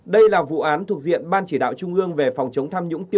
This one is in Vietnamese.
đây là vụ án thuộc diện ban chỉ đạo trung ương về phòng chống tham nhũng